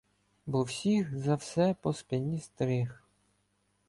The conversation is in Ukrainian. Бо всіх за все по спині стриг.